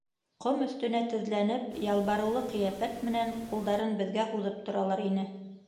Ҡом өҫтөнә теҙләнеп, ялбарыулы ҡиәфәт менән ҡулдарын беҙгә һуҙып торалар ине.